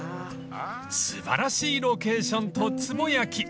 ［素晴らしいロケーションとつぼ焼き］